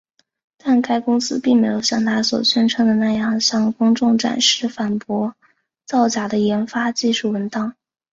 但该公司并没有像它所宣称的那样向公众展示反驳造假的研发技术文档。